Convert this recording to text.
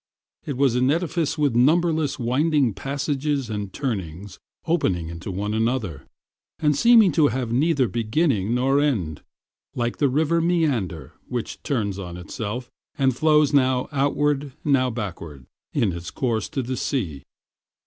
It was an edifice with numberless winding passages and turnings opening into one another, and seeming to have neither beginning nor end, like the river Maeander, which returns on itself, and flows now onward, now backward, in its course to the sea.